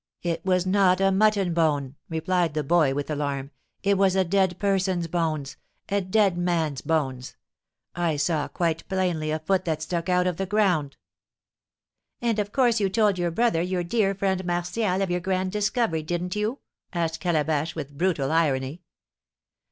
"It was not a mutton bone," replied the boy, with alarm, "it was a dead person's bones, a dead man's bones. I saw quite plainly a foot that stuck out of the ground." "And, of course, you told your brother, your dear friend Martial, of your grand discovery, didn't you?" asked Calabash, with brutal irony.